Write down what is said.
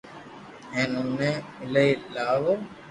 ھين اوني اونلائي لاوو